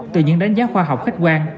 từ những đánh giá khoa học khách quan